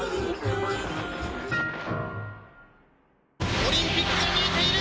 オリンピックが見えている！